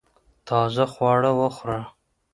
تازه خواړه وخوره